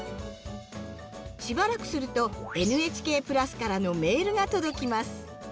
しばらくするとＮＨＫプラスからのメールが届きます。